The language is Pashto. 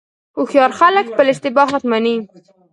هوښیار خلک خپل اشتباهات مني.